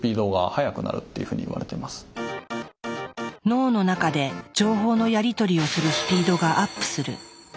脳の中で情報のやり取りをするスピードがアップする。